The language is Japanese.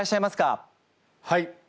はい。